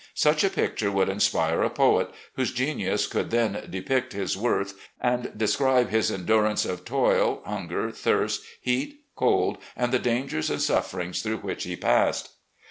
Such a pictme would inspire a poet, whose genius could then depict his worth and describe his endurance of toil, htmger, thirst, heat, cold, and the dangers and sufferings through which he passed.